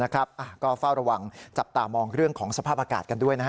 ก็เฝ้าระวังจับตามองเรื่องของสภาพอากาศกันด้วย